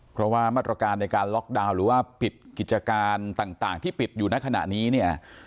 เพราะว่ามาตรการในการล็อกดาวน์หรือว่าปิดกิจการต่างที่ปิดอยู่ในขณะนี้เนี่ย